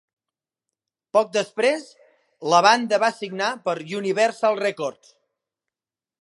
Poc després, la banda va signar per Universal Records.